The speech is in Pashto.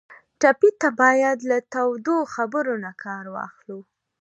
ټپي ته باید له تودو خبرو نه کار واخلو.